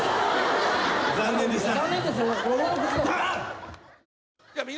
残念でした。